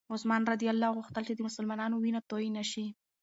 عثمان رض غوښتل چې د مسلمانانو وینه توی نه شي.